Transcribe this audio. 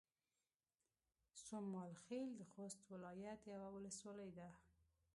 سومال خيل د خوست ولايت يوه ولسوالۍ ده